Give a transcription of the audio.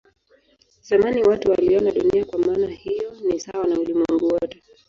Zamani watu waliona Dunia kwa maana hiyo ni sawa na ulimwengu wote.